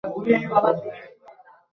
কে জানতো, কুকুরও একদিন সামুরাই হবে।